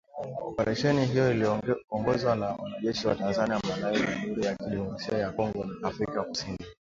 operesheni hiyo iliongozwa na wanajeshi wa Tanzania, Malawi, Jamhuri ya Kidemokrasia ya Kongo na Afrika kusini